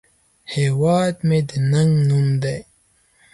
هیواد مې د ننگ نوم دی